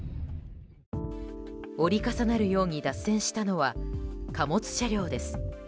折り重なるように脱線したのは貨物車両です。